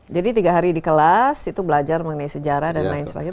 jadi tiga hari di kelas itu belajar mengenai sejarah dan lain sebagainya